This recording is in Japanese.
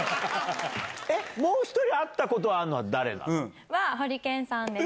えっ、もう１人会ったことあるのは誰なの？